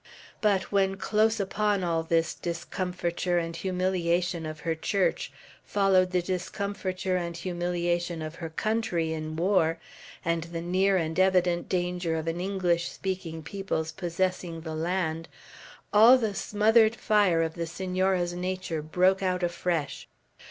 But when close upon all this discomfiture and humiliation of her Church followed the discomfiture and humiliation of her country in war, and the near and evident danger of an English speaking people's possessing the land, all the smothered fire of the Senora's nature broke out afresh.